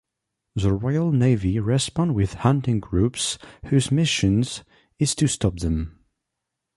The Royal Navy responds with hunting groups whose mission is to stop them.